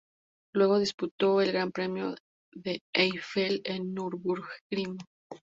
Luego disputó el Gran Premio de Eifel, en Nürburgring.